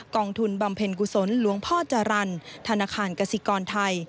องทุนบำเพ็ญกุศลหลวงพ่อจรรย์ธนาคารกสิกรไทย